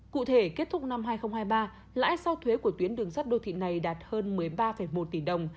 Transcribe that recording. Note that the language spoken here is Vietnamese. cụ thể kết thúc năm hai nghìn hai mươi ba lãi sau thuế của tuyến đường sắt đô thị này đạt hơn một mươi ba một tỷ đồng